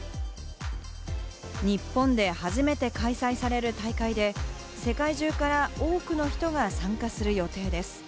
日本で初めて開催される大会で、世界中から多くの人が参加する予定です。